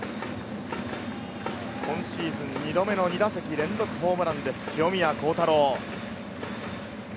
今シーズン２度目の２打席連続ホームランです、清宮幸太郎。